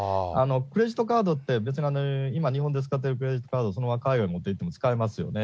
クレジットカードって、別に、今日本で使っているクレジットカード、そのまま海外でも使えますよね。